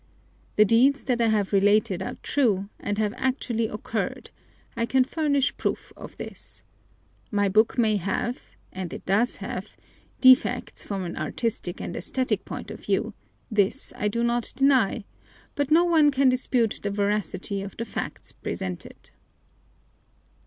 The deeds that I have related are true and have actually occurred; I can furnish proof of this. My book may have (and it does have) defects from an artistic and esthetic point of view this I do not deny but no one can dispute the veracity of the facts presented."